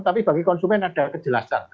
tapi bagi konsumen ada kejelasan